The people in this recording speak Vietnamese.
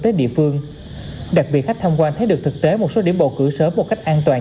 tới địa phương đặc biệt khách tham quan thấy được thực tế một số điểm bầu cử sớm một cách an toàn